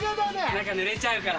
中ぬれちゃうから。